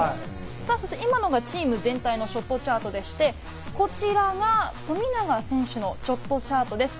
今のがチーム全体のショットチャートでして、こちらが富永選手のショットチャートです。